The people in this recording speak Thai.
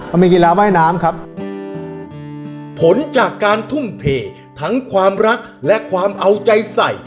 มันมีกีฬาว่ายน้ำครับผลจากการทุ่มเททั้งความรักและความเอาใจใส่